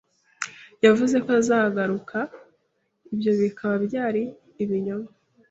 Yavuze ko azagaruka, ibyo bikaba byari ibinyoma.